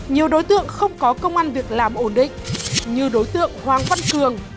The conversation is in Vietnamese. nhiều đối tượng không có công an việc làm ổn định như đối tượng hoàng văn cường